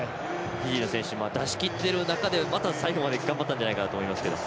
フィジーの選手出しきっている中でまた最後まで頑張ったんじゃないかなと思いますけど。